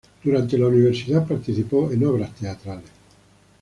Durante la universidad participó en obras teatrales.